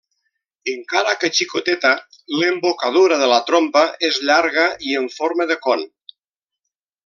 Encara que xicoteta, l'embocadura de la trompa és llarga i en forma de con.